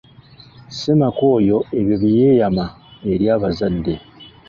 Ssemaka oyo ebyo bye yeeyema eri abazadde.